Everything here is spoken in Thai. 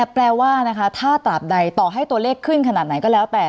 แปลว่านะคะถ้าตราบใดต่อให้ตัวเลขขึ้นขนาดไหนก็แล้วแต่